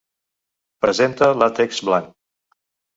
Presenta làtex blanc.